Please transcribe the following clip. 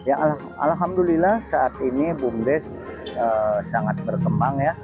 alhamdulillah saat ini pundes sangat berkembang ya